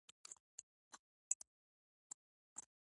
بصیرت د زړه او ذهن ګډه ژبه ده.